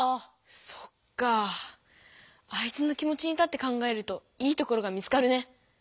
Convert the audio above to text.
そっか相手の気持ちに立って考えると「いいところ」が見つかるね。